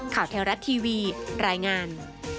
ข่าวแท้รัฐทีวีรายงาน